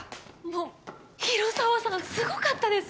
もう広沢さんすごかったです。